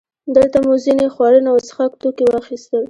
دلته مو ځینې خوړن او څښاک توکي واخیستل.